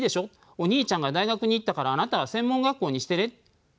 お兄ちゃんが大学に行ったからあなたは専門学校にしてね。